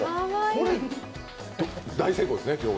これ大成功ですね、今日。